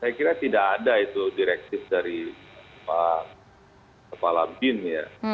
saya kira tidak ada itu direksi dari pak kepala bin ya